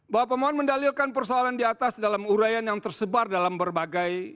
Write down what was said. bahwa pemohon mendalilkan persoalan di atas dalam urayan yang tersebar dalam berbagai